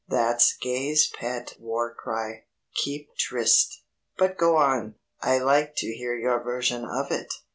That's Gay's pet war cry 'Keep tryst.' But go on, I'd like to hear your version of it."